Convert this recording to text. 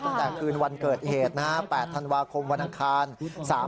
ตั้งแต่กลื่นวันเกิดเหตุนะฮะวันอังคาร๘ธันวาคมในวันนี้ฮะ